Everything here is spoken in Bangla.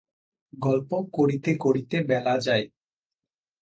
গল্প করিতে করিতে বেলা যায়।